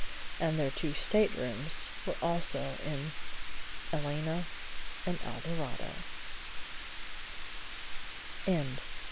And their two staterooms were also in "Elena" and "Alvarado."